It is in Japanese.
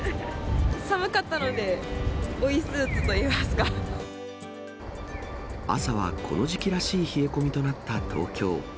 寒かったので、追いスーツといい朝はこの時期らしい冷え込みとなった東京。